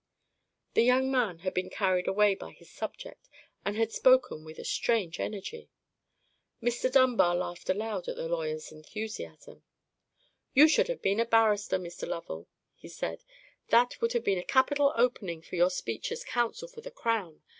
The young man had been carried away by his subject, and had spoken with a strange energy. Mr. Dunbar laughed aloud at the lawyer's enthusiasm. "You should have been a barrister, Mr. Lovell," he said; "that would have been a capital opening for your speech as counsel for the crown.